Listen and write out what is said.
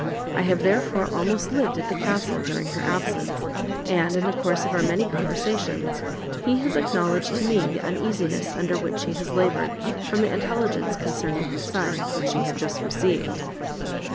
I have therefore almost lived at the Castle during her absence, and, in the course of our many conversations, he has acknowledged to me the uneasiness under which he has laboured, from the intelligence concerning his son, which he had just received."